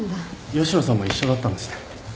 吉野さんも一緒だったんですね。